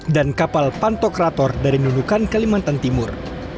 dan kapal pantokrator dari nunukan kalimantan timur